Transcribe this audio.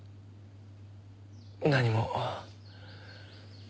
何も。